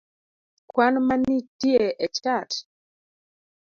kwan manitie e chat?